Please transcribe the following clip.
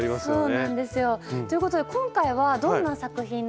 そうなんですよ。ということで今回はどんな作品なんですか？